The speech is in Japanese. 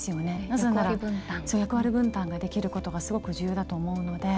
なぜなら役割分担ができることがすごく重要だと思うので。